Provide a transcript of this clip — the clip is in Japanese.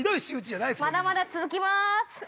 ◆まだまだ続きます。